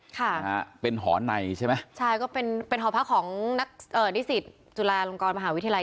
ค่ะนะฮะเป็นหอในใช่ไหมใช่ก็เป็นเป็นหอพักของนักเอ่อนิสิตจุฬาลงกรมหาวิทยาลัย